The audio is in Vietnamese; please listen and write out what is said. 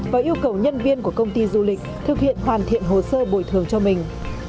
và yêu cầu nhân viên của công ty du lịch thực hiện hoàn thiện hồ sơ bồi thường cho mình